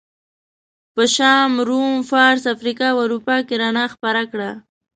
په شام، روم، فارس، افریقا او اروپا کې رڼا خپره کړه.